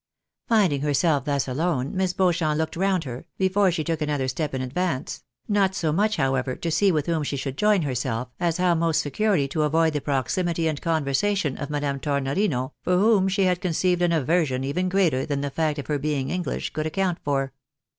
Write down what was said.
Finding herself thus alone. Miss Beauchamp looked round her, before she took another step in advance ; not so much, however, to see with whom she should join herself, as how most securely to avoid the proximity and conversation of Madame Tornorino, for whom she had conceived an aversion even greater than the fact of her being English could account for.